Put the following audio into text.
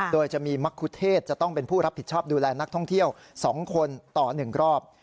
โดยจะมีมรรคุเทศจะต้องเป็นผู้รับผิดชอบดูแลนักท่องเที่ยว๒คนต่อ๑รอบ